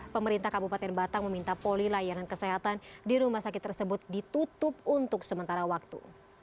pemerintah kabupaten batang meminta poli layanan kesehatan di rumah sakit tersebut ditutup untuk sementara waktu